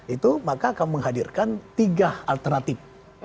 itu maka akan menghadirkan tiga alternatif